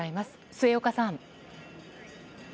末岡さん。